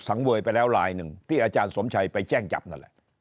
เวยไปแล้วลายหนึ่งที่อาจารย์สมชัยไปแจ้งจับนั่นแหละ